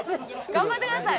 頑張ってください。